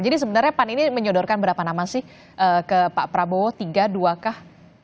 jadi sebenarnya pan ini menyodorkan berapa nama sih ke pak prabowo tiga dua kah